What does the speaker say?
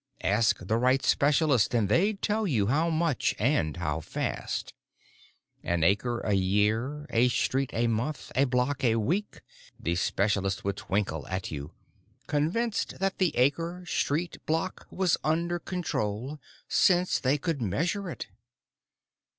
Ask the right specialists, and they'd tell you how much and how fast. An acre a year, a street a month, a block a week, the specialists would twinkle at you, convinced that the acre, street, block was under control, since they could measure it.